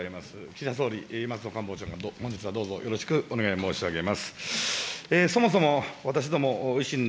岸田総理、松野官房長官、本日はどうぞよろしくお願い申し上げます。